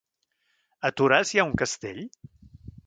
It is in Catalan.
A Toràs hi ha un castell?